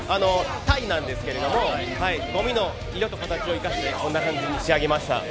タイなんですけれども、ごみの色と形を生かして、こんな形に仕上げました。